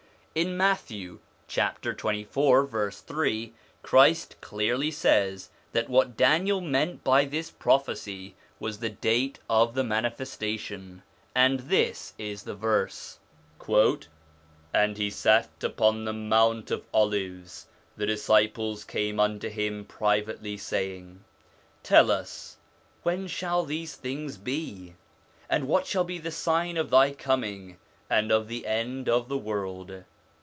In Matthew, chapter 24 verse 3, Christ clearly says that what Daniel meant by this prophecy was the date of the manifestation, and this is the verse :' As he sat upon the Mount of Olives, the disciples came unto him privately, saying, Tell us, when shall these things be ? and what shall be the sign of thy coming, and of the end of the world